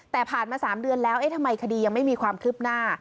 แต่ผ่านมา๓เดือนแล้วเอ๊ะทำไมคดียังไม่มีความคืบหน้า